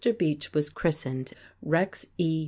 Beach was christened "Rex E.